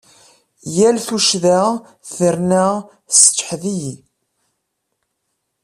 Yal tuccḍa terna tesseǧhed-iyi.